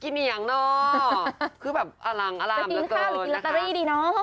คิดยังเนอะคือแบบอลางอลามจะเกินนะคะจะกินข้าวหรือกินละตรีดีน้อง